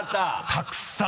たくさん！